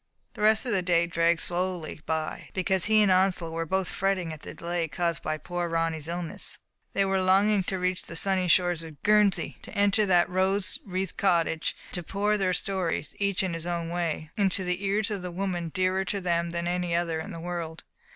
The rest of the day dragged slowly by — slowly, because he and Onslow were both fretting at the delay caused by poor Ronny's illness. They Digitized by Google 268 THE FATE OF FENELLA. were longing to reach the sunny shores of Guern sey, to enter that rose wreathed cottage, and to pour their stories — each in his own way — into the ears of the woman dearer to them than any other in the world.